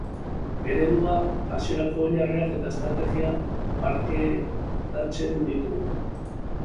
Eredua, hasierako oinarriak eta estrategia partekatzen ditugu.